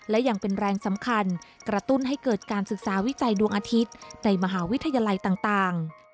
และยังเป็นแรงสำคัญกระตุ้นให้เกิดการศึกษาวิจัยดวงอาทิตย์ในมหาวิทยาลัยต่าง